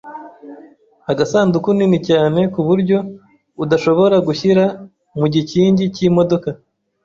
Agasanduku nini cyane ku buryo udashobora gushyira mu gikingi cy'imodoka.